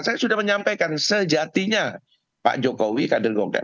saya sudah menyampaikan sejatinya pak jokowi kader golkar